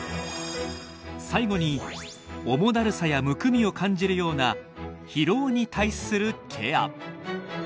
最後に重だるさやむくみを感じるような疲労に対するケア。